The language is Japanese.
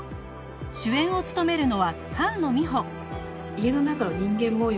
主演を務めるのは菅野美穂